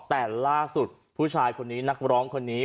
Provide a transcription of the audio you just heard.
แต่ล่าสุดผู้ชายคนนี้นักร้องคนนี้